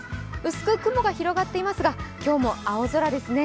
薄く雲が広がっていますが今日も青空ですね。